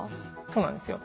そうなんですよ。